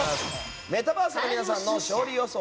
メタバースの皆さんの勝利予想